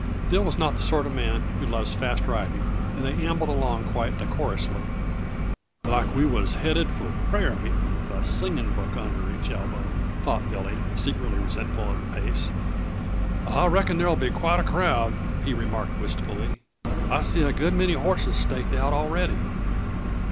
Dill was not the sort of man who loves fast riding and they ambled along quite decorously "like we was headed for prayer meeting with a singing book under each elbow," thought Billy, secretly resentful of the pace. "I reckon there'll be quite a crowd," he remarked wistfully. "I see a good many horses staked out already."